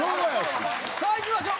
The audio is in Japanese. さあいきましょう。